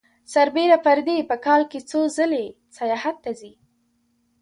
سربېره پر دې په کال کې څو ځلې سیاحت ته ځي